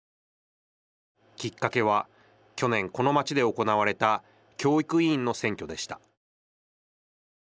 きっかけは、去年この町で行われた教育委員の選挙でした。